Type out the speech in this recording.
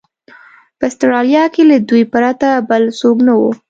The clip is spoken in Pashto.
په اسټرالیا کې له دوی پرته بل څوک نه و.